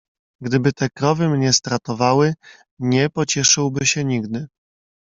"Gdyby te krowy mnie stratowały, nie pocieszyłby się nigdy."